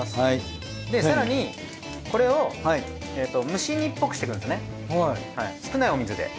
で更にこれを蒸し煮っぽくしていくんですね少ないお水で。